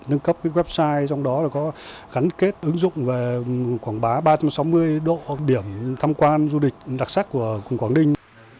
nâng cấp website trong đó có gắn kết ứng dụng và quảng bá ba trăm sáu mươi độ điểm tham quan du lịch đặc sắc của quảng ninh